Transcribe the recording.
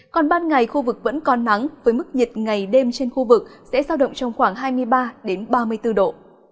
còn ban ngày khu vực vẫn còn nắng với mức nhiệt ngày đêm trên khu vực sẽ giao động trong khoảng hai mươi ba ba mươi bốn độ